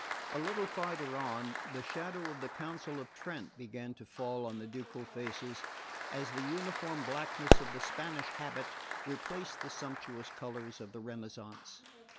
A little farther on, the shadow of the Council of Trent began to fall on the ducal faces, as the uniform blackness of the Spanish habit replaced the sumptuous colours of the Renaissance.